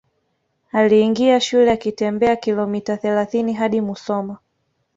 Aliingia shule akitembea kilomita thelathini hadi Musoma